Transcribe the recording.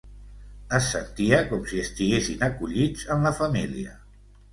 Es sentia com si estiguessin acollits en la família.